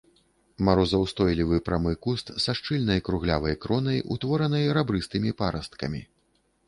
Марозаўстойлівы прамы куст са шчыльнай круглявай кронай, утворанай рабрыстымі парасткамі.